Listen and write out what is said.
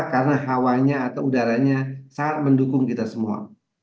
karena hawanya atau udaranya sangat mendukung kita semua